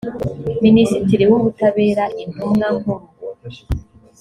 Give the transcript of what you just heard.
minisitiri w ubutabera intumwa nkuru